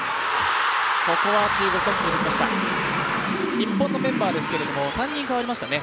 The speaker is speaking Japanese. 日本のメンバーですけれども、３人代わりましたね。